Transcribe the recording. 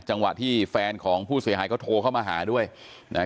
จังหวะที่แฟนของผู้เสียหายเขาโทรเข้ามาหาด้วยนะฮะ